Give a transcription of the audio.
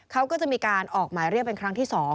เขาก็จะมีการออกหมายเรียกเป็นครั้งที่๒